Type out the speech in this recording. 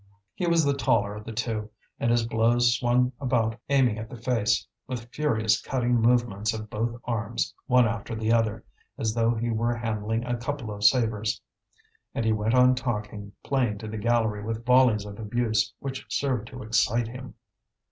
He was the taller of the two, and his blows swung about aiming at the face, with furious cutting movements of both arms one after the other, as though he were handling a couple of sabres. And he went on talking, playing to the gallery with volleys of abuse, which served to excite him.